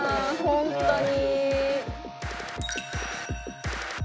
本当に。